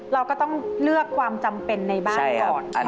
เราก็ต้องเลือกความจำเป็นในบ้านก่อน